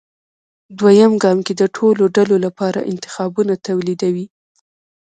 دویم ګام کې د ټولو ډلو لپاره انتخابونه توليدوي.